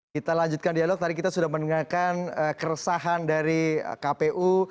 kita lanjutkan dialog tadi kita sudah mendengarkan keresahan dari kpu